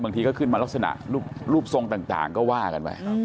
ที่ก็ขึ้นมาลักษณะรูปทรงต่างก็ว่ากันไป